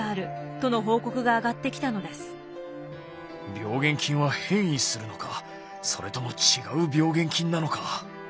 病原菌は変異するのかそれとも違う病原菌なのか。